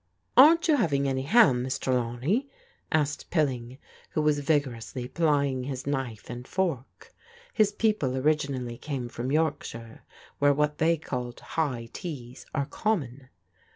"Aren't you having any ham, Miss Trelawney?*' asked Pilling, who was vigorously plying his knife and fork. His people originally came from Yorkshire, where what they call " high teas " are common.